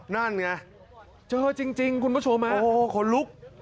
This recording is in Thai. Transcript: นั่นไงเจอจริงคุณผู้ชมฮะโอ้โหขนลุก